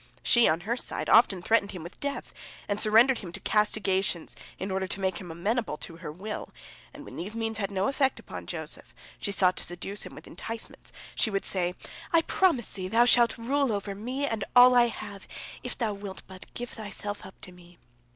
She, on her side, often threatened him with death, and surrendered him to castigations in order to make him amenable to her will, and when these means had no effect upon Joseph, she sought to seduce him with enticements. She would say, "I promise thee, thou shalt rule over me and all I have, if thou wilt but give thyself up to me.